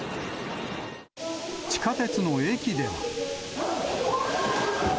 地下鉄の駅では。